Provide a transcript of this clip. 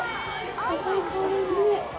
甘い香り。